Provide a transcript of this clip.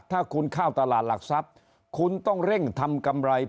ถ้าคุณเข้าตลาดหลักทรัพย์คุณต้องเร่งทำกำไร